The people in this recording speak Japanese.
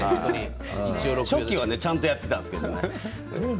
初期はちゃんとやっていたんですけれども。